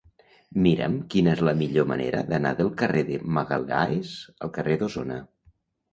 Mira'm quina és la millor manera d'anar del carrer de Magalhães al carrer d'Osona.